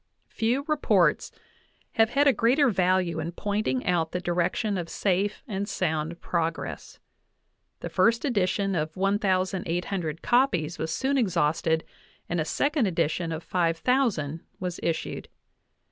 Few reports have had a greater value in "pointing out the direc tion of safe and sound progress. The first edition of 1,800 copies was soon exhausted, and a second edition of 5,000 was issued.